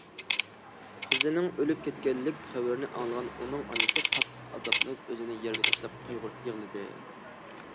قىزىنىڭ ئۆلۈپ كەتكەنلىك خەۋىرىنى ئاڭلىغان ئۇنىڭ ئانىسى قاتتىق ئازابلىنىپ ئۆزىنى يەرگە تاشلاپ قايغۇرۇپ يىغلىدى.